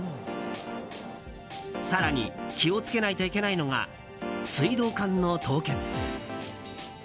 更に気を付けないといけないのが水道管の凍結。